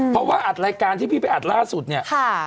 เพราะว่าอัดรายการที่พี่ไปอัดล่าสุดเนี่ย